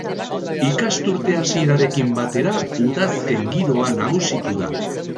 Ikasturte hasierarekin batera, udazken giroa nagusitu da.